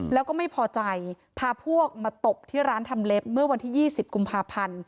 แล้วก็ไม่พอใจพาพวกมาตบที่ร้านทำเล็บเมื่อวันที่๒๐กุมภาพันธ์